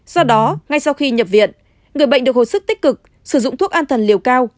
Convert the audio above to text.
do đó ngay sau khi nhập viện người bệnh được hồi sức tích cực sử dụng thuốc an thần liều cao